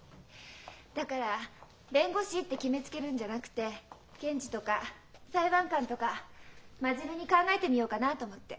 だから弁護士って決めつけるんじゃなくて検事とか裁判官とか真面目に考えてみようかなと思って。